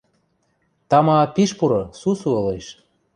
Тама, пиш пуры, сусу ылеш.